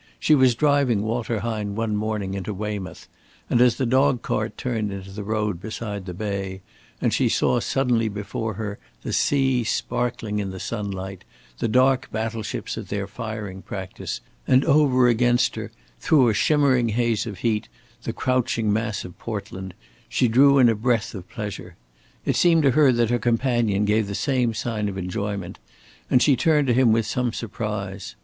She was driving Walter Hine one morning into Weymouth, and as the dog cart turned into the road beside the bay, and she saw suddenly before her the sea sparkling in the sunlight, the dark battle ships at their firing practice, and over against her, through a shimmering haze of heat, the crouching mass of Portland, she drew in a breath of pleasure. It seemed to her that her companion gave the same sign of enjoyment, and she turned to him with some surprise.